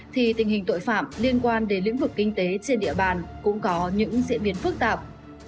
thì tình hình tội phạm liên quan đến lĩnh vực kinh tế trên địa bàn cũng có những diễn biến phức tạp